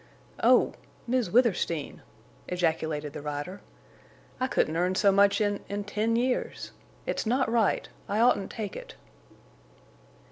"Oh... Miss Withersteen!" ejaculated the rider. "I couldn't earn so much in—in ten years. It's not right—I oughtn't take it."